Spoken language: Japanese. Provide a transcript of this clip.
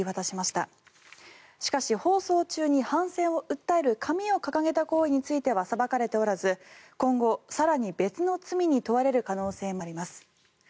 しかし、放送中に反戦を訴える紙を掲げた行為については裁かれておらず今後、更に別の罪に問われる可能性もあります。